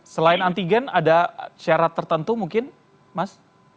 selain antigen ada syarat tertentu mungkin mas